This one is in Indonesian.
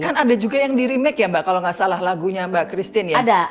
kan ada juga yang di remake ya mbak kalau nggak salah lagunya mbak christine ya